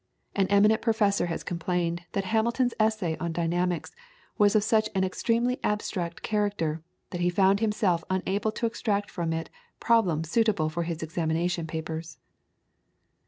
An eminent professor has complained that Hamilton's essay on dynamics was of such an extremely abstract character, that he found himself unable to extract from it problems suitable for his examination papers.